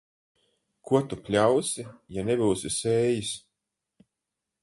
Ko tu pļausi, ja nebūsi sējis.